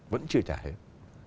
vẫn chưa trả hết